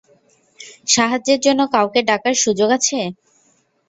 সাহায্যের জন্য কাউকে ডাকার সুযোগ আছে?